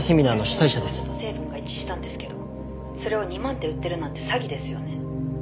「成分が一致したんですけどそれを２万で売ってるなんて詐欺ですよね？」